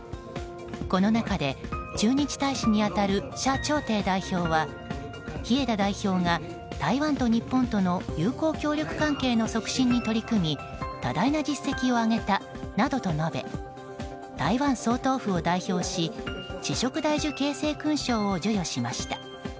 この中で、駐日大使に当たるシャ・チョウテイ代表は日枝代表が台湾と日本との友好協力関係の促進に取り組み多大な実績を上げたなどと述べ台湾総統府を代表し紫色大綬景星勲章を授与しました。